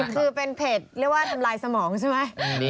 คือเป็นเพจเรียกว่าทำลายสมองใช่ไหม